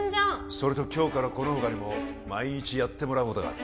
それと今日からこの他にも毎日やってもらうことがある